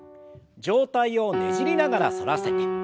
上体をねじりながら反らせて。